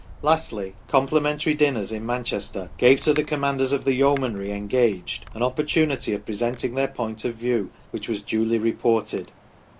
Lastly, complimentary dinners in Manchester gave to the com manders of the yeomanry engaged an opportunity of presenting their point of view which was duly reported.